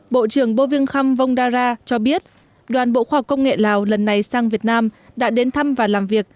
bộ trưởng bô viên kham vông đa ra cho biết đoàn bộ khoa học công nghệ lào lần này sang việt nam đã đến thăm và làm việc